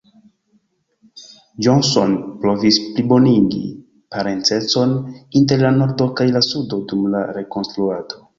Johnson provis plibonigi parencecon inter la Nordo kaj la Sudo dum la Rekonstruado.